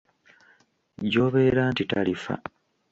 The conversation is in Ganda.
Gy'obeera nti talifa.